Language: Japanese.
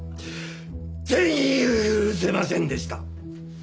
全員許せませんでした！